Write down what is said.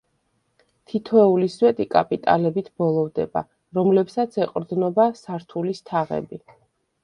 თითოეული სვეტი კაპიტელებით ბოლოვდება, რომლებსაც ეყრდნობა სართულის თაღები.